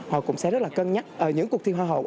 họ cũng sẽ rất là cân nhắc những cuộc thi hoa hậu